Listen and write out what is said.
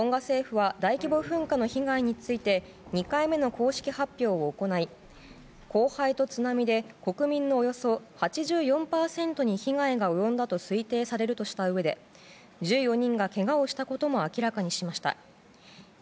トンガ政府は大規模噴火の被害について２回目の公式発表を行い降灰と津波で国民のおよそ８４％に被害が生んだと推定されるとしたうえで１４人がけがをしたことも明らかにしました。